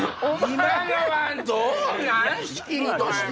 今のはどうなん⁉仕切りとして。